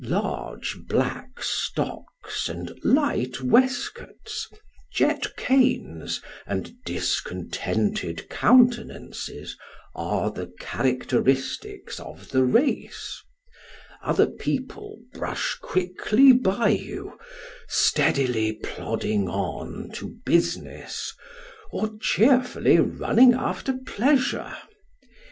Large black stocks and light waistcoats, jet canes and discontented countenances, are the charac teristics of the race ; other people brush quickly by you, steadily plodding on to business, or cheerfully running after pleasure.